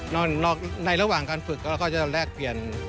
ในระหว่างการฝึกเราก็จะแลกเปลี่ยน